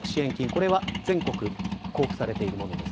これは全国に交付されているものです。